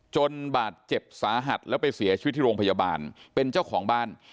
บาดเจ็บสาหัสแล้วไปเสียชีวิตที่โรงพยาบาลเป็นเจ้าของบ้าน